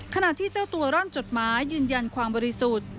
ขณะที่เจ้าตัวร่อนจดหมายยืนยันความบริสุทธิ์